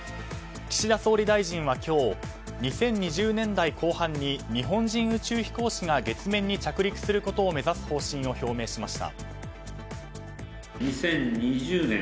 岸田総理大臣は今日２０２０年代後半に日本人宇宙飛行士が月面に着陸することを目指す方針を表明しました。